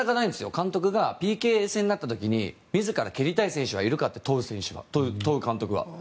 監督がＰＫ戦になった時に自ら蹴りたい選手はいるかって問う監督は。